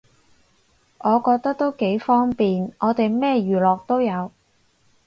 我覺得都幾方便，我哋咩娛樂都有